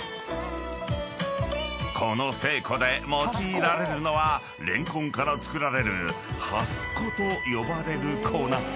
［この西湖で用いられるのはレンコンから作られる蓮粉と呼ばれる粉］